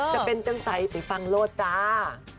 จะเป็นจังใสไปฟังโลดจ้า